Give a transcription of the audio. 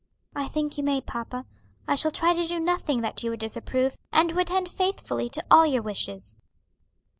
"I think you may, papa. I shall try to do nothing that you would disapprove, and to attend faithfully to all your wishes."